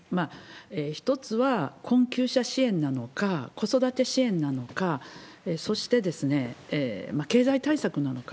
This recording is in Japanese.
一つは困窮者支援なのか、子育て支援なのか、そして経済対策なのか。